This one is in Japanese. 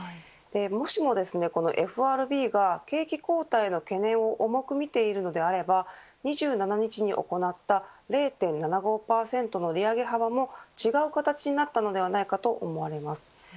もしもＦＲＢが景気後退の懸念を重く見ているのであれば２７日に行った０．７５％の利上げ幅も違う形になったのではないかと思われます。